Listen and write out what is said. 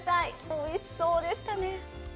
おいしそうでしたね。